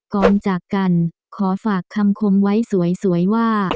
ก่อนจากกันขอฝากคำคมไว้สวยว่า